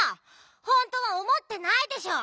ほんとはおもってないでしょ！